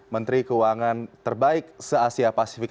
menteri keuangan terbaik se asia pasifik